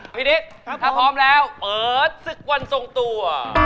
พี่นิถ้าพร้อมแล้วเปิดศึกวันทรงตัว